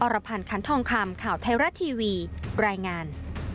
รพันธ์คันทองคำข่าวไทยรัฐทีวีรายงาน